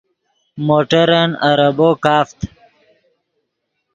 موٹرن اریبو کافت